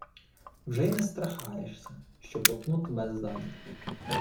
— Вже й не страхаєшся, що потну тебе ззаді.